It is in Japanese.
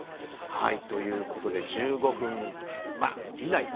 ということで１５分以内。